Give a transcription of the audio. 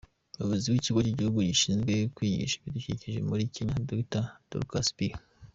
Umuyobozi w’Ikigo cy’igihugu gishinzwe kwigisha ibidukikije muri Kenya, Dr Dorcas B.